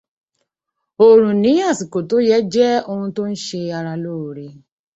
Orun ni àsìkò tó yẹ jẹ́ ohun tó ń ṣe ara lóore.